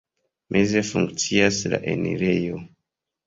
Meze funkcias la enirejo.